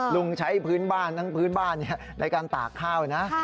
ลุงใช้พื้นบ้านทั้งพื้นบ้านในการตากข้าวนะ